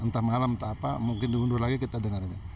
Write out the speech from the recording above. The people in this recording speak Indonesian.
entah malam entah apa mungkin diundur lagi kita dengar aja